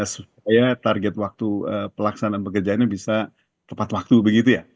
supaya target waktu pelaksanaan pekerjaannya bisa tepat waktu begitu ya